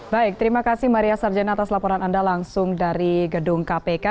baik terima kasih maria sarjana atas laporan anda langsung dari gedung kpk